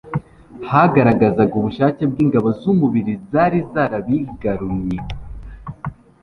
Hagaragazaga ubushake bw'ingabo z'umubi zari zarabigarunye.